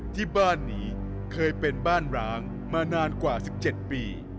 ที่บ้านนี้เคยเป็นบ้านร้างมานานกว่า๑๗ปี